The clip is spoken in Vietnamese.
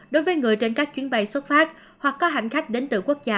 đối với người trên các chuyến bay xuất phát hoặc có hành khách đến từ quốc gia